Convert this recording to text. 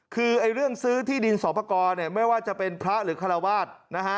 คือเรื่องซื้อที่ดินสอบพกไม่ว่าจะเป็นพระหรือคาราวาท